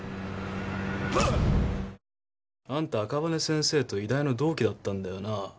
あんた、赤羽先生と医大の同期だったんだよな。